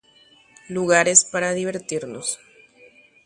Tendakuéra javy'a hag̃ua.